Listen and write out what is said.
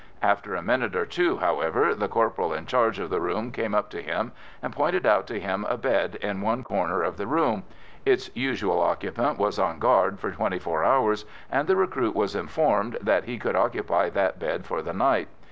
After a minute or two, however, the corporal in charge of the room came up to him, and pointed out to him a bed in one corner of the room; its usual occupant was on guard for twenty four hours, and the recruit was informed that he could occupy that bed for the night.